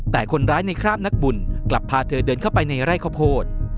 แต่คนร้ายในคราบนักบุญกลับพาเธอเดินเข้าไปในไร่ข้าวโพด